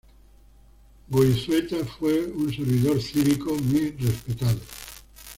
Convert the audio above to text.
Goizueta fue un servidor cívico muy respetado.